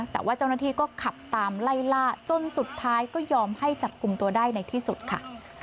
แต่ว่าเจ้าหน้าที่ก็ขับตามไล่ล่าจนสุดท้ายก็ยอมให้จับกลุ่มตัวได้ในที่สุดค่ะ